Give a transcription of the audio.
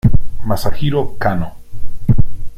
Masahiro Kano